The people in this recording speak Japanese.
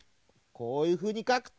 こういうふうにかくと。